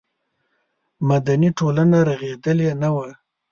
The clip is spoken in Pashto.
مدني ټولنه رغېدلې نه وه.